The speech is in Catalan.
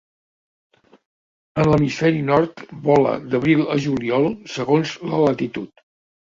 En l'Hemisferi Nord vola d'abril a juliol segons la latitud.